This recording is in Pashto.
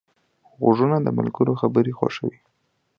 غوږونه د ملګرو خبرې خوښوي